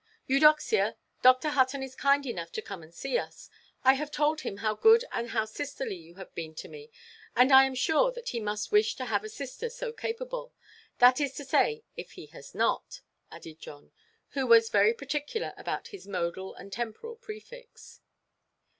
Eudoxia, Dr. Hutton is kind enough to come and see us. I have told him how good and how sisterly you have been to me, and I am sure that he must wish to have a sister so capable—that is to say if he has not," added John, who was very particular about his modal and temporal prefix.